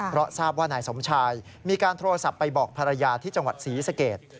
เพราะทราบว่านายสมชายมีการโทรศัพท์ไปบอกภรรยาที่จังหวัดศรีสเกต